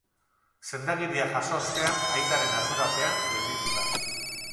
Sendagiria jaso ostean aitaren ardurapean gelditu da.